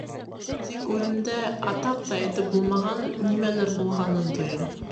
Тик үҙемдә атап та әйтеп булмаған нимәлер булғанын тоям.